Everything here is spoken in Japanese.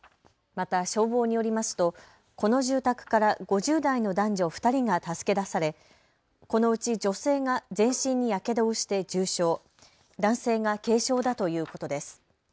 また消防によりますとこの住宅から５０代の男女２人が助け出されこのうち女性が全身にやけどをして重傷、男性が軽傷だということです。